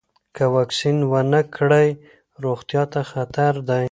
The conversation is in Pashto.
که واکسین ونه کړئ، روغتیا ته خطر دی.